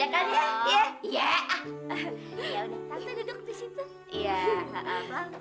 tante duduk disitu